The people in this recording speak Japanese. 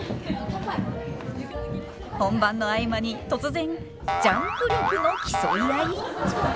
本番の合間に突然ジャンプ力の競い合い！？